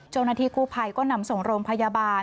โจรนาทีคู่ภัยก็นำส่งโรงพยาบาล